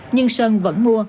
nhưng sơn vẫn mua